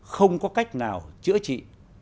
không có cách nào chữa trị